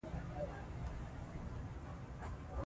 لیکوال تر ډېره حده کوښښ کړی دی،